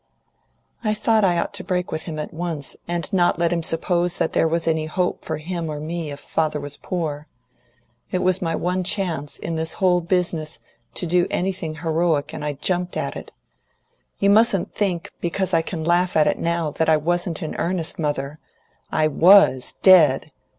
"I thought I ought to break with him at once, and not let him suppose that there was any hope for him or me if father was poor. It was my one chance, in this whole business, to do anything heroic, and I jumped at it. You mustn't think, because I can laugh at it now, that I wasn't in earnest, mother! I WAS dead!